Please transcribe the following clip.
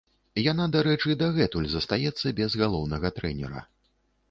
Яна, дарэчы, дагэтуль застаецца без галоўнага трэнера.